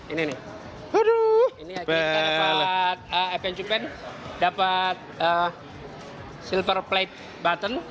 ini akhirnya dapat evan cupan dapat silver plate button